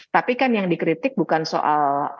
tapi kan yang dikritik bukan soal